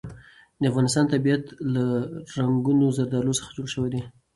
د افغانستان طبیعت له رنګینو زردالو څخه جوړ شوی دی.